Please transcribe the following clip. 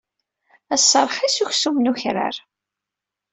Ass-a, rxis uksum n ukrar.